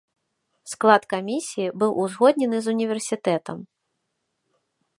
Склад камісіі быў узгоднены з універсітэтам.